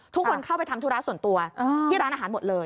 เข้าไปทำธุระส่วนตัวที่ร้านอาหารหมดเลย